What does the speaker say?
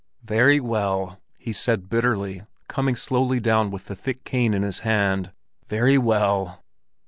"Very well!" he said bitterly, coming slowly down with the thick cane in his hand. "Very well!"